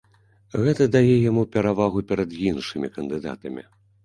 Гэта дае яму перавагу перад іншымі кандыдатамі.